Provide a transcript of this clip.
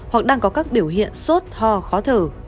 hoặc đang có các biểu hiện sốt ho khó thở